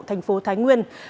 thành phố thái nguyên